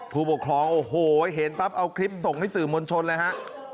ผู้ปกครองโอ้โหเห็นปั๊บเอาคลิปส่งให้สื่อมวลชนเลยฮะ